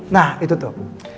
nah itu tuh